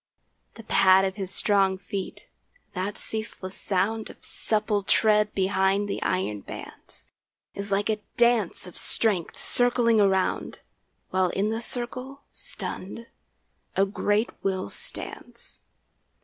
The pad of his strong feet, that ceaseless sound Of supple tread behind the iron bands, Is like a dance of strength circling around, While in the circle, stunned, a great will stands.